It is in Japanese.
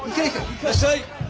いらっしゃい。